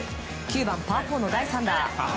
９番、パー４の第３打。